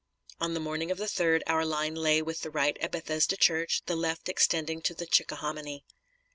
On the morning of the 3d our line lay with the right at Bethesda Church, the left extending to the Chickahominy.